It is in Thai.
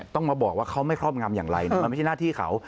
ต้องมาบอกว่าเขาไม่ครอบงำอย่างไรมันไม่ใช่หน้าที่เขา